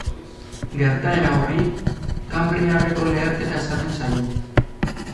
Gertaera horri Kanbriarreko leherketa esaten zaio.